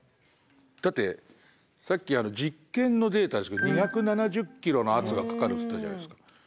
だってさっき実験のデータですけど２７０ｋｇの圧がかかるっていったじゃないですか。